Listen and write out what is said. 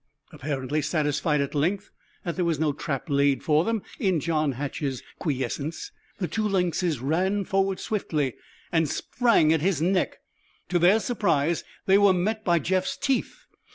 Apparently satisfied at length that there was no trap laid for them in John Hatch's quiescence, the two lynxes ran forward swiftly and sprang at his neck. To their surprise, they were met by Jeff's teeth.